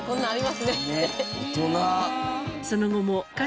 大人！